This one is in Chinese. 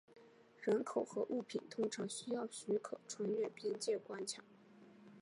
人口和物品通常需要许可穿越边界关卡。